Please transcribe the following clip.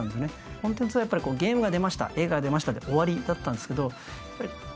コンテンツはやっぱりゲームが出ました映画が出ましたで終わりだったんですけどやっぱりコンテンツがね